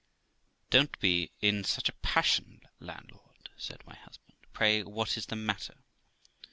' Don't be in such a passion, landlord ' said my husband. 'Pray, what is the matter?'